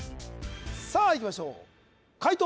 さあいきましょう解答